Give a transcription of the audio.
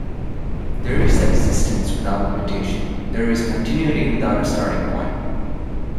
There is existence without limitation; there is continuity without a starting-point.